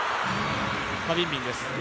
カビンビンです。